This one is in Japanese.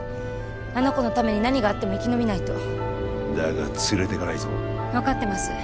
あの子のために何があっても生き延びないとだが連れてかないぞ分かってます